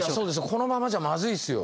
このままじゃまずいですよ。